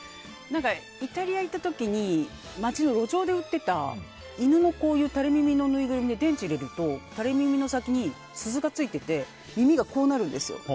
イタリア行った時に街の路上で売ってた犬の垂れ耳のぬいぐるみ電池を入れるとタレ耳の先に鈴がついてて耳がこうなるんですよ。